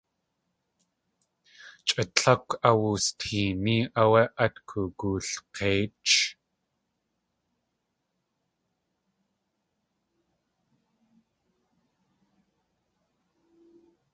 Chʼa tlákw awusteení áwé at kagoolk̲éich.